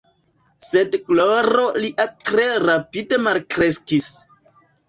Sed gloro lia tre rapide malkreskis.